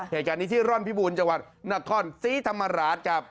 เหตุการณ์นี้ที่ร่อนพิบูรณ์จังหวัดนครศรีธรรมราชครับ